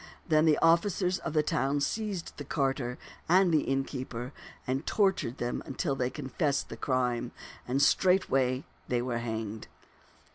Then the officers of the town seized the carter and the innkeeper and tortured them till they confessed the crime, and straightway they were hanged.